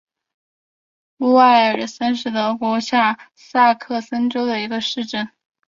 乌埃尔森是德国下萨克森州的一个市镇。